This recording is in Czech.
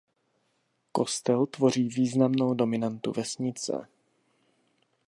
Kostel tvoří významnou dominantu vesnice.